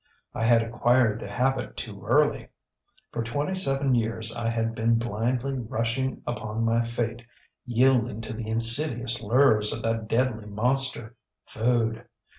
I had acquired the habit too early. For twenty seven years I had been blindly rushing upon my fate, yielding to the insidious lures of that deadly monster, food.